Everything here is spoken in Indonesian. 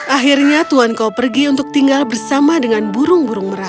akhirnya tuhan kau pergi untuk tinggal bersama dengan burung burung merah